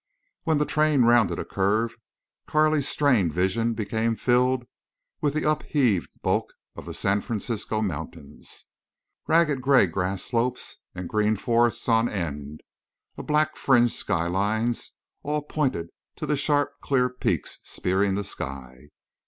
When the train rounded a curve Carley's strained vision became filled with the upheaved bulk of the San Francisco Mountains. Ragged gray grass slopes and green forests on end, and black fringed sky lines, all pointed to the sharp clear peaks spearing the sky.